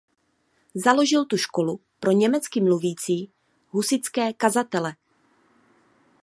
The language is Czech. Založil tu školu pro německy mluvící husitské kazatele.